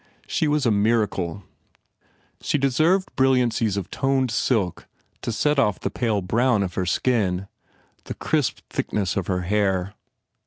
She was a miracle ; she deserved brilliancies of toned silk to set off the pale brown of her skin, the crisp thickness of her hair.